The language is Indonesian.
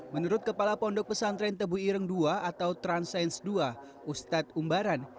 menurut kepala pondok pesantren tebu ireng ii atau transcience ii ustadz umbaran